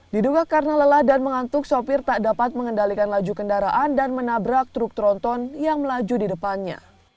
diduga karena lelah dan mengantuk sopir tak dapat mengendalikan laju kendaraan dan menabrak truk tronton yang melaju di depannya